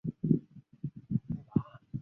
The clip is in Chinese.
在主申请人的外籍劳工移民申请。